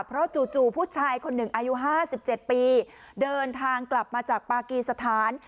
เพราะจู่ผู้ชายคนหนึ่งอายุ๕๗ปีเดินทางกลับมาจากปากีสถาน